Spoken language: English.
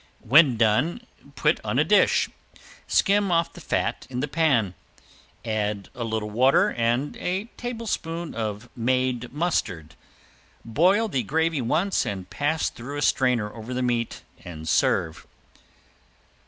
When done put on a dish, skim off the fat in the pan, add a little water and a tablespoon of made mustard, boil the gravy once and pass through a strainer over the meat and serve.